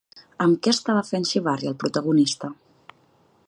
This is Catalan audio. Amb què estava fent xivarri el protagonista?